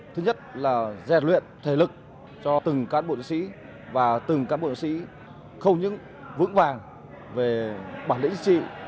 thứ nhất là dè luyện thể lực cho từng cán bộ chiến sĩ và từng cán bộ chiến sĩ không những vững vàng về bản lĩnh trị